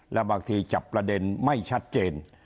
และบางทีจับประเด็นไม่ชัดเจน